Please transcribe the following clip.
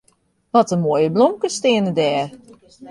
Wat in moaie blomkes steane dêr.